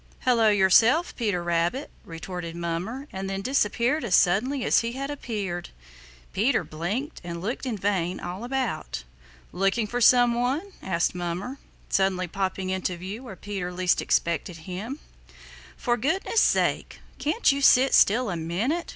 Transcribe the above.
"Hello yourself, Peter Rabbit!" retorted Mummer and then disappeared as suddenly as he had appeared. Peter blinked and looked in vain all about. "Looking for some one?" asked Mummer, suddenly popping into view where Peter least expected him. "For goodness' sake, can't you sit still a minute?"